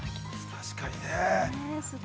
◆確かにね。